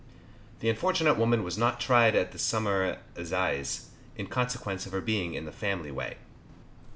The unfortunate woman was not tried at the Summer Assizes, in consequence of her being in the family way.